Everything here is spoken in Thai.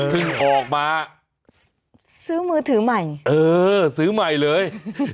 ออกมาซื้อมือถือใหม่เออซื้อใหม่เลย